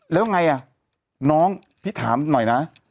แล้วไงอ่ะน้องพี่ถามหน่อยนะ